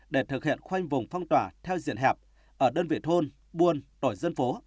để thực hiện khoanh vùng phong tỏa theo diện hẹp ở đơn vị thôn buôn tổ dân phố